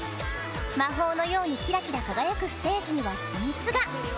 魔法のようにキラキラ輝くステージには秘密が。